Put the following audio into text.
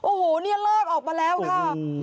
โอ้โหเนี่ยเลิกออกมาแล้วค่ะ